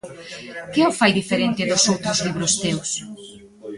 Que o fai diferente dos outros libros teus?